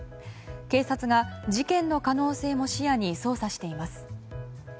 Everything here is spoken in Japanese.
警察が事件の可能性も視野に捜査しています。